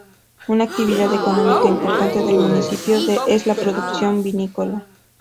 Una actividad económica importante del municipio es la producción vinícola.